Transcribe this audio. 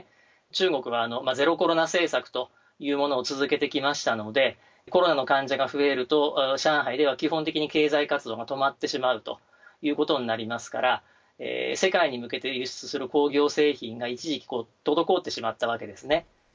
中国はゼロコロナ政策というものを続けてきましたので、コロナの患者が増えると、上海では基本的に経済活動が止まってしまうということになりますから、世界に向けて輸出する工業製品が一時期、滞ってしまったわけです